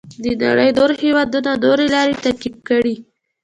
د نړۍ نورو هېوادونو نورې لارې تعقیب کړې.